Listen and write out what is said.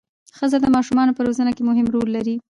ښځه د ماشومانو په روزنه کې مهم رول لري